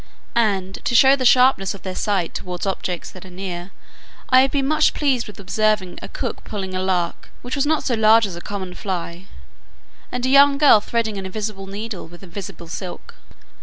And, to show the sharpness of their sight towards objects that are near, I have been much pleased with observing a cook pulling a lark, which was not so large as a common fly; and a young girl threading an invisible needle with invisible silk.